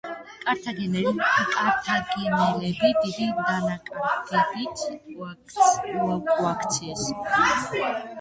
კართაგენელები დიდი დანაკარგებით უკუაქციეს.